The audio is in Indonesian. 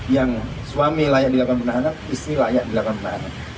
yang suami layak dilakukan penahanan istri layak dilakukan penahanan